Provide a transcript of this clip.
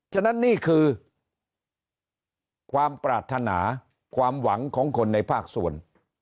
ฉะนั้นนี่คือความปรารถนาความหวังของคนในภาคส่วน